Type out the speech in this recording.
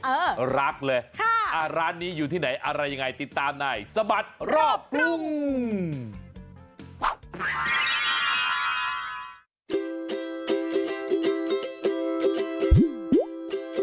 รักเลยร้านนี้อยู่ที่ไหนอะไรยังไงติดตามในสบัดรอบกรุง